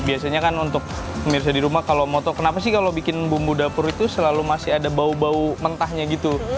biasanya kan untuk pemirsa di rumah kalau moto kenapa sih kalau bikin bumbu dapur itu selalu masih ada bau bau mentahnya gitu